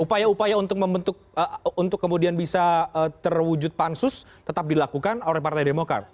upaya upaya untuk membentuk untuk kemudian bisa terwujud pansus tetap dilakukan oleh partai demokrat